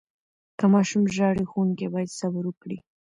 که ماشوم ژاړي، ښوونکي باید صبر وکړي.